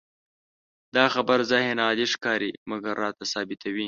دا خبره ظاهراً عادي ښکاري، مګر راته ثابتوي.